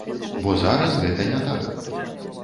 Бо зараз гэта не так.